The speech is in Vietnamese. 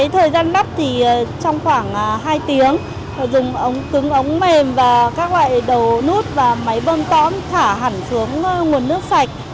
thời gian lắp thì trong khoảng hai tiếng dùng ống cứng ống mềm và các loại đầu nút và máy bơm tóm thả hẳn xuống nguồn nước sạch